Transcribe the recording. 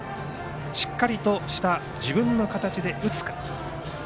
しっかりとした自分の形で打つか。